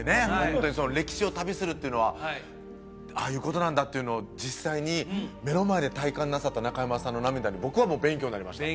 ホントに歴史を旅するっていうのはああいうことなんだっていうのを実際に目の前で体感なさった中山さんの涙に僕はもう勉強になりました